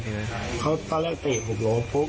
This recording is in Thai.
ตั้งแต่ละ๖โหลดปุ๊บ